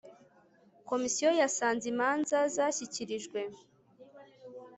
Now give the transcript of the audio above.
Komisiyo yasanze imanza zashyikirijwe